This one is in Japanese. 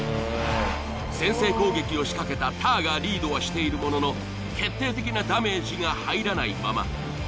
先制攻撃を仕掛けたたぁがリードはしているものの決定的なダメージが入らないまま。